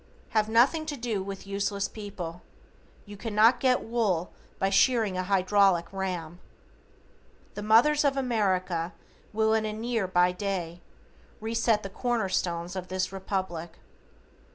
Have nothing to do with useless people, you cannot get wool by shearing a hydraulic ram. The Mothers of America will in a near by day, reset the cornerstones of this Republic.